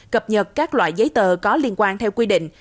cập nhật các loại giấy tờ có liên quan theo quy định